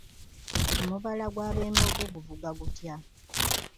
Omubala gw’abembogo guvuga gutya?